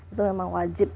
itu memang wajib